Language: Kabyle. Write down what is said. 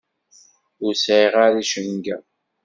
Ur sɛiɣ ara icenga.